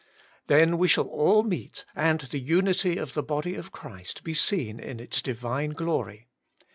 Then we shall all meet, and the unity of the body of Christ bo seen in its divine glory.